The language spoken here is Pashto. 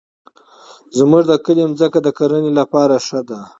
زمونږ د کلي مځکه د کرنې لپاره ښه ده.